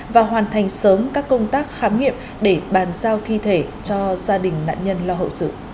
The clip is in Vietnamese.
và hoàn thành sớm các công tác khám nghiệm để bàn giao thi thể cho gia đình nạn nhân lo hậu sự